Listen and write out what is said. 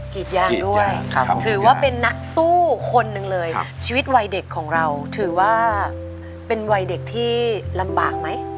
กีดยางด้วยถือว่าเป็นนักสู้คนหนึ่งเลยชีวิตวัยเด็กของเราถือว่าเป็นวัยเด็กที่ลำบากไหม